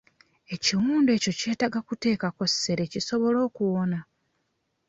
Ekiwundu ekyo kyetaaga kuteekako ssere kisobole okuwona.